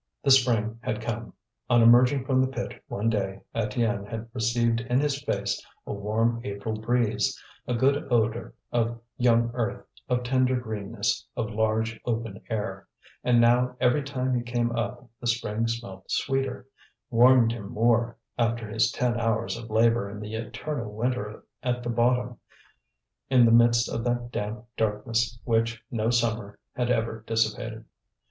The spring had come. On emerging from the pit one day Étienne had received in his face a warm April breeze, a good odour of young earth, of tender greenness, of large open air; and now, every time he came up the spring smelt sweeter, warmed him more, after his ten hours of labour in the eternal winter at the bottom, in the midst of that damp darkness which no summer had ever dissipated.